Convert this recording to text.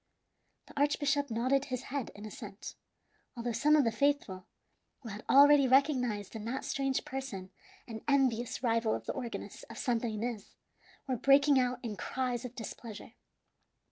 The archbishop nodded his head in assent, although some of the faithful, who had already recognized in that strange person an envious rival of the organist of Santa Ines, were breaking out in cries of displeasure.